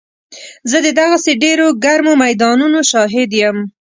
زه د دغسې ډېرو ګرمو میدانونو شاهد یم.